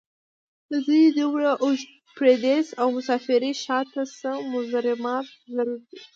د دوي دومره اوږد پرديس او مسافرۍ شا ته څۀ مضمرات ضرور وو